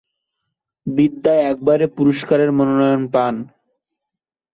বিদ্যা একবার এ পুরস্কারের মনোনয়ন পান।